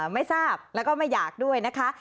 ไม่ทราบแล้วก็ไม่อยากด้วยนะคะ